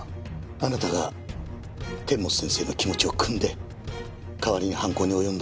あなたが堅物先生の気持ちをくんで代わりに犯行に及んだのではありませんか？